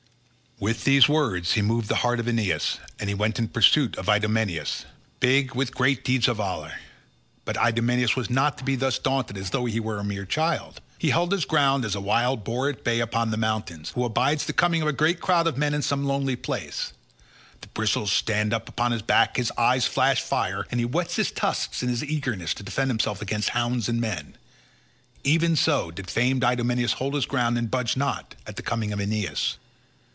With these words he moved the heart of Aeneas, and he went in pursuit of Idomeneus, big with great deeds of valour; but Idomeneus was not to be thus daunted as though he were a mere child; he held his ground as a wild boar at bay upon the mountains, who abides the coming of a great crowd of men in some lonely place—the bristles stand upright on his back, his eyes flash fire, and he whets his tusks in his eagerness to defend himself against hounds and men—even so did famed Idomeneus hold his ground and budge not at the coming of Aeneas.